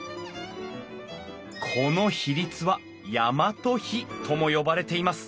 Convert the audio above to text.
この比率は大和比とも呼ばれています。